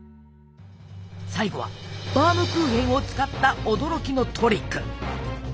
最後はバームクーヘンを使った驚きのトリック！